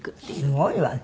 すごいわね。